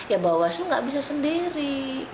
ya bawaslu nggak bisa sendiri